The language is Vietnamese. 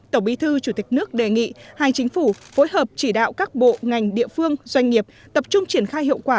tổng bí thư chủ tịch nước đề nghị hai chính phủ phối hợp chỉ đạo các bộ ngành địa phương doanh nghiệp tập trung triển khai hiệu quả